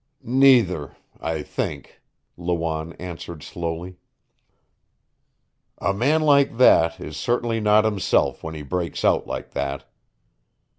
"Neither, I think," Lawanne answered slowly. "A man like that is certainly not himself when he breaks out like that.